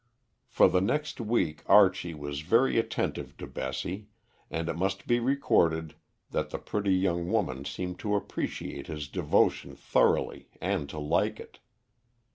For the next week Archie was very attentive to Bessie, and it must be recorded that the pretty young woman seemed to appreciate his devotion thoroughly and to like it.